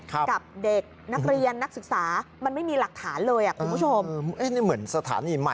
กับเด็กนักเรียนนักศึกษา